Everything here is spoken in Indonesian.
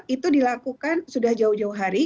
itu dilakukan sudah jauh jauh hari